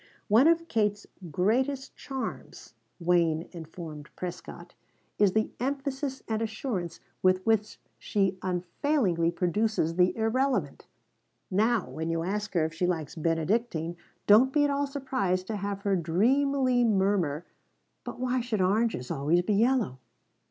"One of Kate's greatest charms," Wayne informed Prescott, "is the emphasis and assurance with which she unfailingly produces the irrelevant. Now when you ask her if she likes Benedictine, don't be at all surprised to have her dreamily murmur: 'But why should oranges always be yellow?'"